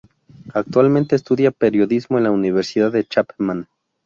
Actualmente estudia periodismo en la Universidad de Chapman.